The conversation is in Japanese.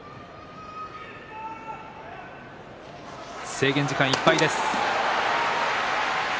制限時間いっぱいです。